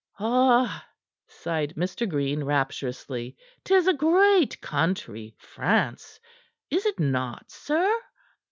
"Ah!" sighed Mr. Green rapturously. "'Tis a great country, France; is it not, sir?"